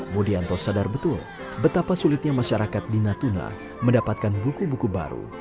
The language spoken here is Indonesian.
mudianto sadar betul betapa sulitnya masyarakat di natuna mendapatkan buku buku baru